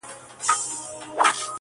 • زاړه خلک موضوع بدله کوي تل..